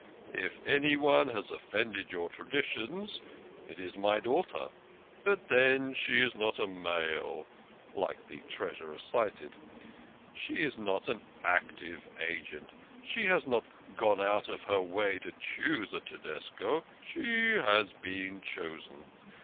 If anyone has offended your tradi tions, it is my daughter. But then she is not a male, like the Treasurer cited ; she is not an active agent, she has not gone out of her way to choose a Tedesco she has been chosen.